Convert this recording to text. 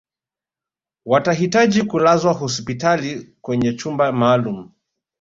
watahitaji kulazwa hospitali kwenye chumba maalum